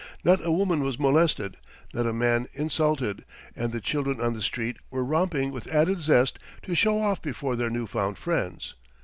Not a woman was molested, not a man insulted, and the children on the street were romping with added zest to show off before their new found friends.